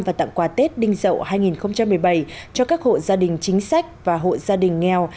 và tặng quà tết đinh dậu hai nghìn một mươi bảy cho các hộ gia đình chính sách và hộ gia đình nghèo